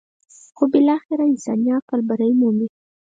خو بالاخره انساني عقل برۍ مومي.